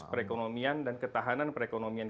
perekonomian dan ketahanan perekonomian